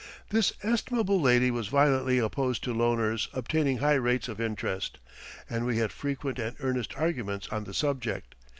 This estimable lady was violently opposed to loaners obtaining high rates of interest, and we had frequent and earnest arguments on the subject.